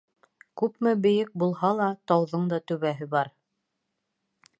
Күпме бейек булһа ла, тауҙың да түбәһе бар.